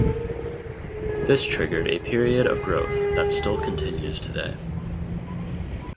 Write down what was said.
This triggered a period of growth that still continues today.